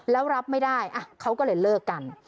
แล้วรับไม่ได้เขาก็เลยเลิกกัน